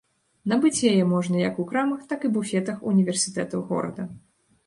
Набыць яе можна як у крамах, так і буфетах універсітэтаў горада.